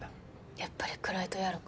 やっぱり暗いとやろか？